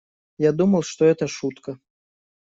Я думал, что это шутка.